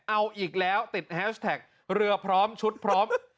เอาอีกแล้วติดแฮชแท็กเรือพร้อมชุดพร้อม